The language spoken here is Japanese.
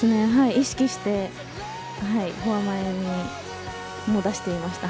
意識してフォア前にも出していました。